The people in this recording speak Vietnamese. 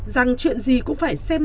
rằng chuyện gì cũng phải xem